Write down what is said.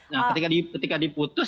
nah ketika diputus